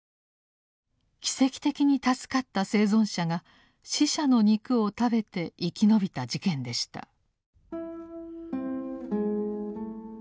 奇跡的に助かった生存者が死者の肉を食べて生き延びた事件でした。